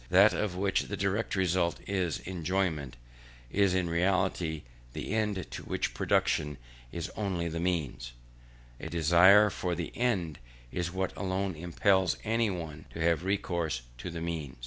that of which the direct result is enjoyment, is in reality the end, to which production is only the means; and a desire for the end, is what alone impels any one to have recourse to the means.